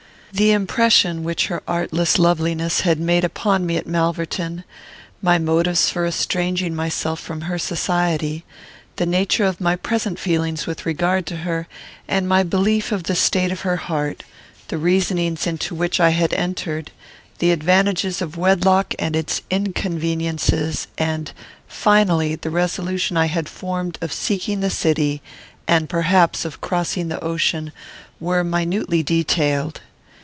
The impression which her artless loveliness had made upon me at Malverton; my motives for estranging myself from her society; the nature of my present feelings with regard to her, and my belief of the state of her heart; the reasonings into which I had entered; the advantages of wedlock and its inconveniences; and, finally, the resolution I had formed of seeking the city, and, perhaps, of crossing the ocean, were minutely detailed.